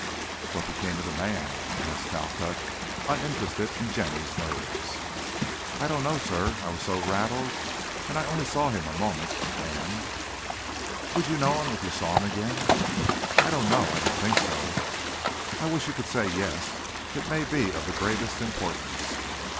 "What became of the man?" asked Talcott, uninterested in Jenny's nerves. "I don't know, sir. I was so rattled, and I only saw him a moment, and " "Would you know him if you saw him again?" "I don't know, I don't think so." "I wish you could say yes, it may be of gravest importance."